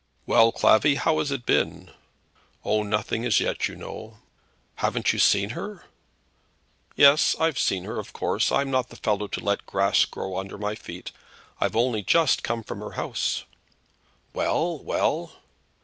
"Well, Clavvy, how has it been?" "Oh, nothing as yet, you know." "Haven't you seen her?" "Yes, I've seen her, of course. I'm not the fellow to let the grass grow under my feet. I've only just come from her house." "Well, well?"